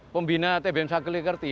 pembina tpn sakila kerti